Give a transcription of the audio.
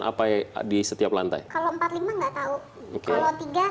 kan nih mereka bisa dikitin di sekeliling